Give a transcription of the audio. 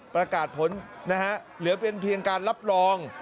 ประกาศผลนะฮะเหลือเป็นเพียงการรับรอง